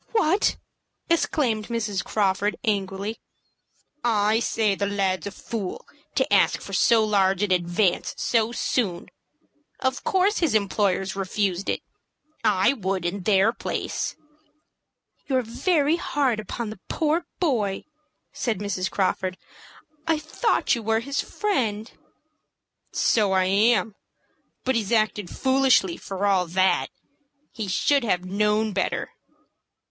"WHAT!" exclaimed Mrs. Crawford, angrily. "I say the lad's a fool to ask for so large an advance so soon. Of course his employers refused it. I would, in their place." "You're very hard upon the poor boy!" said Mrs. Crawford. "I thought you were his friend." "So I am; but he's acted foolishly for all that. He should have known better."